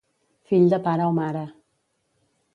Fill de pare o mare.